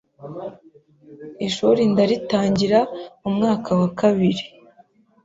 ishuri ndaritangira, umwaka wa kabiri